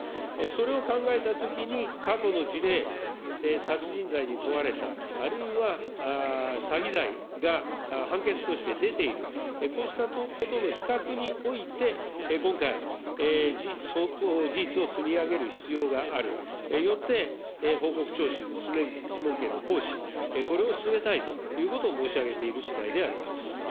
それを考えたときに、過去の事例、殺人罪に問われた、あるいは詐欺罪が判決として出ている、こうしたことの比較において、今回、事実を積み上げる必要がある、よって、報告徴収、質問権の行使、これを進めたいということを申し上げているしだいであります。